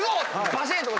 バシン！とか。